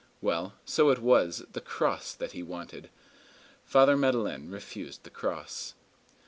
Well, so it was the cross that he wanted! Father Madeleine refused the cross.